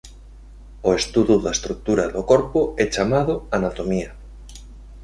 O estudo da estrutura do corpo é chamado anatomía.